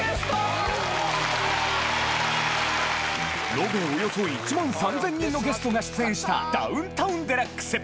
延べおよそ１万３０００人のゲストが出演した『ダウンタウンＤＸ』